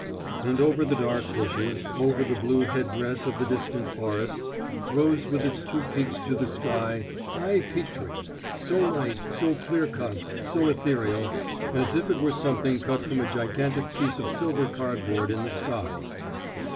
And over the dark bushes, over the blue head dress of the distant forests, rose with its two peaks to the sky, Ai Petri so light, so clear cut, so ethereal, as if it were something cut from a gigantic piece of silver cardboard in the sky.